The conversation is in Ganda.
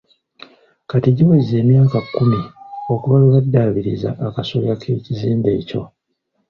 Kati giweze emyaka kkumi okuva lwe baddaabiriza akasolya k'ekizimbe ekyo.